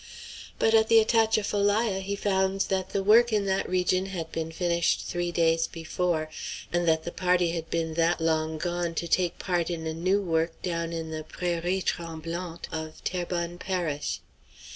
But at the Atchafalaya he found that the work in that region had been finished three days before, and that the party had been that long gone to take part in a new work down in the prairies tremblantes of Terrebonne Parish.